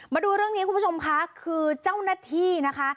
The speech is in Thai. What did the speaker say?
มาดูเรื่องนี้คุณผู้ชมค่ะคือเจ้าหน้าที่นะคะ